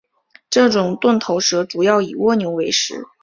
这种钝头蛇主要以蜗牛为食。